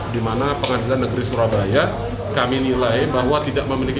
dimana pengadilan negeri surabaya kami nilai bahwa tidak memiliki